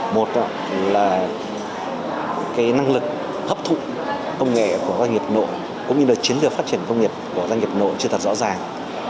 một là năng lực hấp thụ công nghệ của doanh nghiệp nội cũng như là chiến lược phát triển công nghiệp của doanh nghiệp nội chưa thật rõ ràng